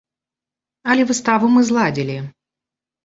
Але выставу мы зладзілі.